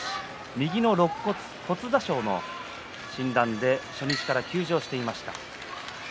右のろっ骨骨挫傷の診断で初日から休場していました。